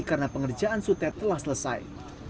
karena pengerjaan suted telah selesai